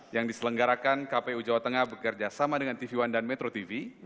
yang diselenggarakan kpu jawa tengah bekerja sama dengan tv one dan metro tv